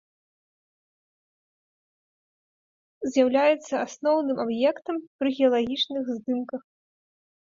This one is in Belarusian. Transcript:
З'яўляюцца асноўным аб'ектам пры геалагічных здымках.